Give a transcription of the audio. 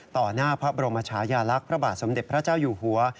หน้าพระบรมชายาลักษณ์พระบาทสมเด็จพระเจ้าอยู่หัว